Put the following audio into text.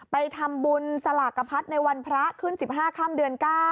ไปทำบุญสลากกระพัดในวันพระขึ้น๑๕ค่ำเดือน๙